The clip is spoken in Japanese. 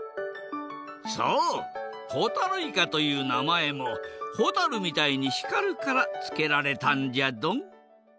そうほたるいかというなまえもほたるみたいに光るからつけられたんじゃドン。